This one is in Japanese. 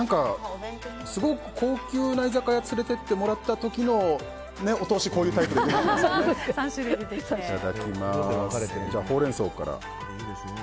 すごく高級な居酒屋に連れて行ってもらった時のお通し、こういうタイプで出てきますよね。